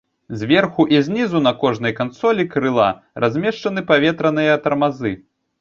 Зверху і знізу на кожнай кансолі крыла размешчаны паветраныя тармазы.